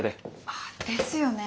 あっですよね！